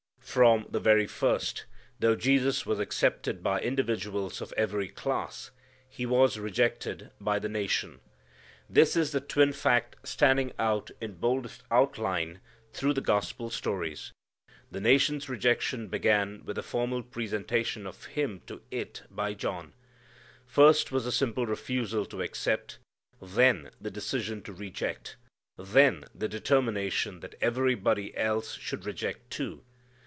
From the very first, though Jesus was accepted by individuals of every class, He was rejected by the nation. This is the twin fact standing out in boldest outline through the Gospel stories. The nation's rejection began with the formal presentation of Him to it by John. First was the simple refusal to accept, then the decision to reject, then the determination that everybody else should reject too.